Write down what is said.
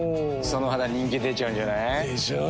その肌人気出ちゃうんじゃない？でしょう。